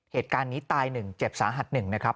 เหตุการณ์นี้ตาย๑เจ็บสาหัส๑นะครับ